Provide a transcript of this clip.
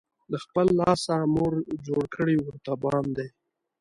له خپل لاسه، مور جوړ کړی ورته بام دی